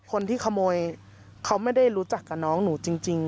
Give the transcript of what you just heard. คนที่ขโมยเขาไม่ได้รู้จักกับน้องหนูจริง